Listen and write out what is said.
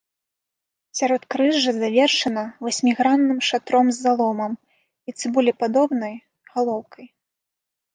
Сяродкрыжжа завершана васьмігранным шатром з заломам і цыбулепадобнай галоўкай.